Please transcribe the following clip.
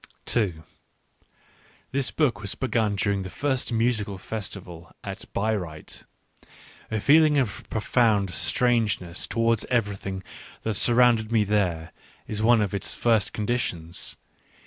This book was begun during the first musical fes tival at Bayreuth ; a feeling of profound strange ness towards everything that surrounded me there, is one of its first conditions.